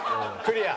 クリア。